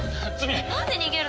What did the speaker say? なんで逃げるの？